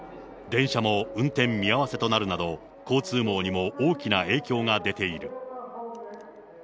電車も運転見合わせとなるなど、交通網にも大きな影響が出ている。